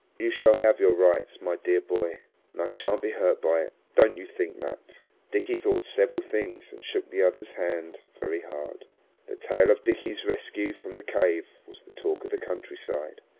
You shall have your rights, my dear boy, and I shan't be hurt by it. Don't you think that." Dickie thought several things and shook the other's hand very hard. The tale of Dickie's rescue from the cave was the talk of the countryside.